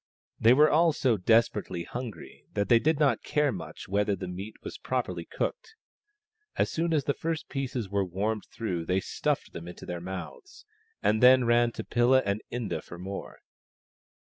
They were all so desperately hungry that they did not care much whether the meat was properly cooked — as soon as the first pieces were warmed through they stuffed them into their mouths, and then ran to Pilla and Inda for more.